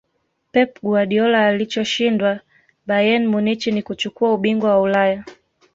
pep guardiola alichoshindwa bayern munich ni kuchukua ubingwa wa ulaya